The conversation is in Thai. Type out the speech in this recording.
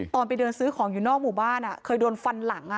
ตอนไปเดินซื้อของอยู่นอกหมู่บ้านเคยโดนฟันหลัง